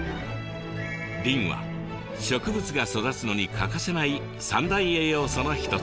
リンは植物が育つのに欠かせない３大栄養素の一つ。